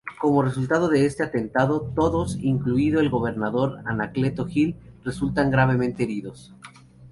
Como resultado de este atentado todos, incluido el gobernador Anacleto Gil resultan gravemente heridos.